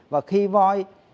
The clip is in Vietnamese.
và khi voi